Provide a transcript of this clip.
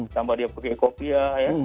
tambah dia pakai kopiah ya